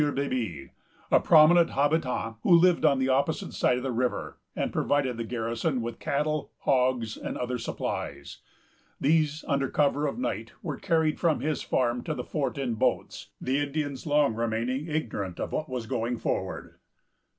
Baby, a prominent habitant, who lived on the opposite side of the river, and provided the garrison with cattle, hogs, and other supplies. These, under cover of night, were carried from his farm to the fort in boats, the Indians long remaining ignorant of what was going forward.